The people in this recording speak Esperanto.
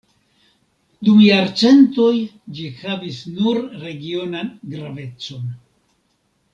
Dum jarcentoj ĝi havis nur regionan gravecon.